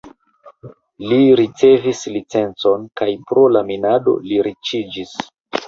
Li ricevis licencon kaj pro la minado li riĉiĝis.